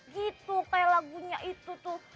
gitu kayak lagunya itu tuh